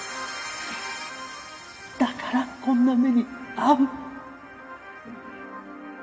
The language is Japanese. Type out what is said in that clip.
だからこんな目に遭う。